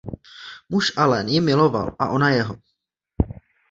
Muž Allen ji miloval a ona jeho.